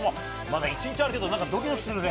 一日あるけどドキドキするね。